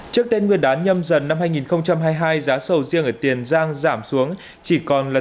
trước tên nguyên đán nhâm dần năm hai nghìn hai mươi hai giá sầu riêng ở tiền giang giảm xuống chỉ còn là